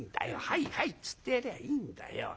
『はいはい』っつってやりゃいいんだよ。